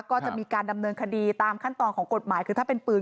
ก็จะมีการดำเนินคดีตามขั้นตอนของกฎหมายคือถ้าเป็นปืน